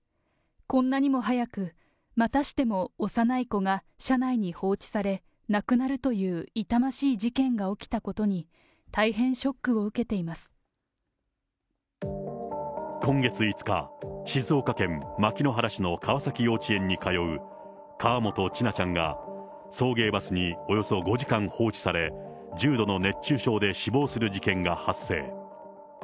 こんなにも早く、またしても幼い子が車内に放置され、亡くなるという痛ましい事件が起きたことに、大変ショックを受け今月５日、静岡県牧之原市の川崎幼稚園に通う河本千奈ちゃんが、送迎バスにおよそ５時間放置され、重度の熱中症で死亡する事件が発生。